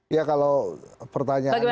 ya kalau pertanyaannya